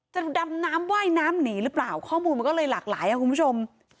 ดำน้ำว่ายน้ำหนีหรือเปล่าข้อมูลมันก็เลยหลากหลายคุณผู้ชม